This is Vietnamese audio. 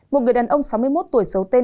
một người đàn ông sáu mươi một tuổi giấu tên